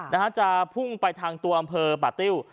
นะฮะจะพุ่งไปทางตัวอำเภอป่าติ้ว